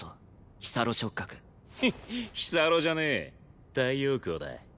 フッ日サロじゃねえ太陽光だ。